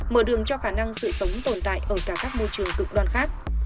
mở đường cho khả năng sự sống tồn tại ở cả các môi trường cực đoan khác